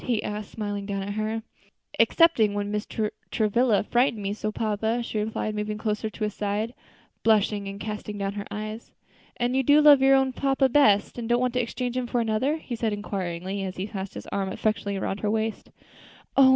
he asked, smiling down at her. "Excepting when Mr. Travilla frightened me so, papa," she replied, moving closer to his side, blushing and casting down her eyes. "And you do love your own papa best, and don't want to exchange him for another?" he said, inquiringly, as he passed his arm affectionately around her waist. "Oh!